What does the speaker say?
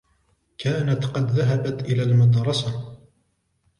كانت قد ذهبت إلى المدرسة.